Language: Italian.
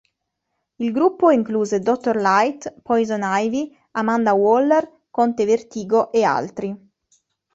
Il gruppo incluse Dottor Light, Poison Ivy, Amanda Waller, Conte Vertigo e altri.